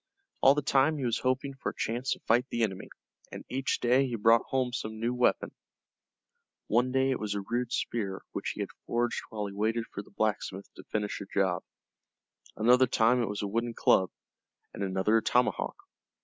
All the time he was hoping for a chance to fight the enemy, and each day he brought home some new weapon. One day it was a rude spear which he had forged while he waited for the blacksmith to finish a job, another time it was a wooden club, and another a tomahawk.